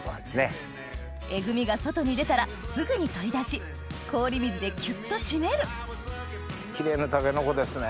エグみが外に出たらすぐに取り出し氷水でキュっと締めるキレイなタケノコですね。